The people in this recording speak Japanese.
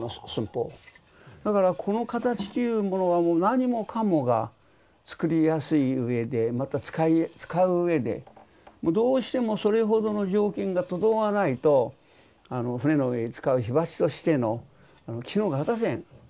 だからこの形というものはもう何もかもが作りやすいうえでまた使ううえでどうしてもそれほどの条件が整わないと船の上で使う火鉢としての機能が果たせん。